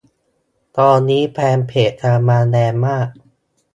ตอนนี้แฟนเพจ กำลังมาแรงมาก